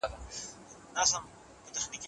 خو تــــــه هــــر كـلــه نــه